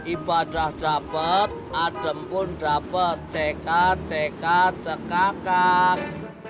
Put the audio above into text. ibadah dapet adem pun dapet cekat cekat cekakak